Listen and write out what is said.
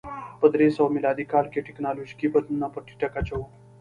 په درې سوه میلادي کال کې ټکنالوژیکي بدلونونه په ټیټه کچه و.